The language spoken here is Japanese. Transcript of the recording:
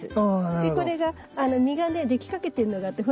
でこれが実がねできかけてんのがあってほら。